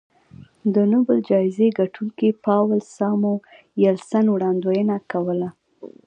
د نوبل جایزې ګټونکي پاول ساموېلسن وړاندوینه کوله